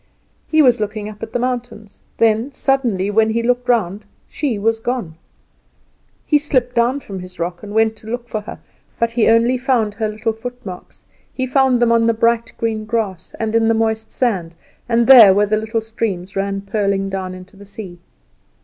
He was looking up at the mountains, then suddenly when he looked round she was gone. He slipped down from his rock, and went to look for her, but he found only her little footmarks; he found them on the bright green grass, and in the moist sand, and there where the little streams ran purling down into the sea.